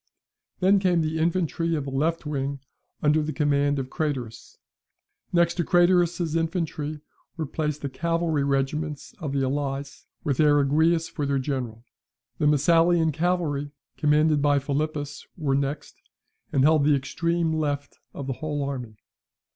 Then came the infantry of the left wing, under the command of Craterus. Next to Craterus's infantry were placed the cavalry regiments of the allies, with Eriguius for their general. The Messalian cavalry, commanded by Philippus, were next, and held the extreme left of the whole army.